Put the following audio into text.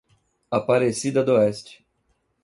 Aparecida d'Oeste